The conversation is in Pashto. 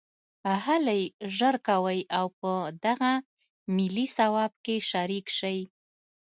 هلئ ژر کوئ او په دغه ملي ثواب کې شریک شئ